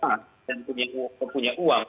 dan punya uang